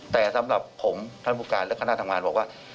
แต่สำหรับผมท่านผู้การและคณะทำงานบอกว่า